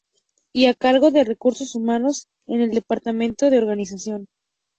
Y a cargo de Recursos Humanos en el Departamento de Organización.